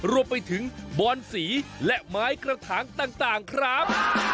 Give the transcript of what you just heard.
รวมไปถึงบอนสีและไม้กระถางต่างครับ